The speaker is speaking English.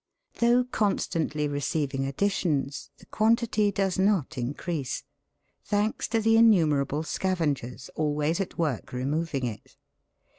Though constantly receiving additions, the quantity does not increase, thanks to the innumerable scavengers always at work removing it.